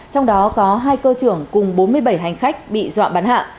trong đó có hai cơ trưởng cùng bốn mươi bảy hành khách bị dọa bắn hạ